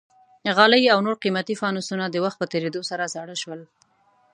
غالۍ او نور قیمتي فانوسونه د وخت په تېرېدو سره زاړه شول.